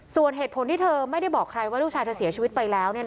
ส่วนเหตุผลที่เธอไม่ได้บอกใครว่าลูกชายเธอเสียชีวิตไปแล้ว